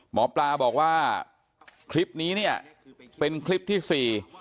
หมอปลาบอกว่าคลิปนี้เนี่ยเป็นคลิปที่สี่